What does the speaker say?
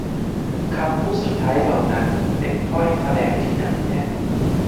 คำพูดสุดท้ายเหล่านั้นเป็นถ้อยแถลงที่หนักแน่น